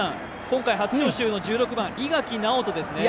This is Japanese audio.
今回初招集の１６番伊垣尚人ですね